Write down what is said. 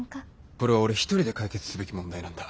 これは俺一人で解決すべき問題なんだ。